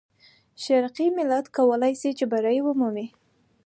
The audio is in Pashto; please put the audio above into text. شرقي ملت کولای سي چې بری ومومي.